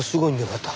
また。